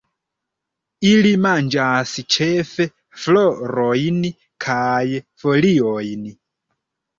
Ili manĝas ĉefe florojn kaj foliojn.